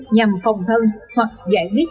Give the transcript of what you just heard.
nhằm phòng thân hoặc giải quyết